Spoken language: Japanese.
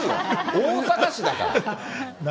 大阪市だから。